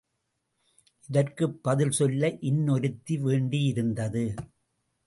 இதற்குப் பதில் சொல்ல இன்னொருத்தி வேண்டியிருந்தது.